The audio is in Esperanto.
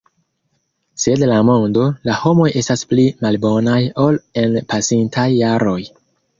Sed la mondo, la homoj estas pli malbonaj ol en pasintaj jaroj.